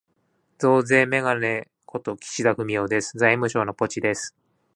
増税めがね事、岸田文雄です。財務省のポチです。